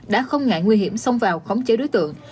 đã không ngại nguy hiểm xông vào khống chế đối tượng